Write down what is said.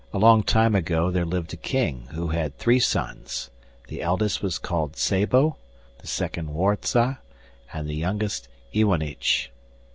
Long time ago there lived a King who had three sons; the eldest was called Szabo, the second Warza, and the youngest Iwanich.